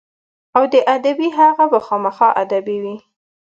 او د ادبي هغه به خامخا ادبي وي.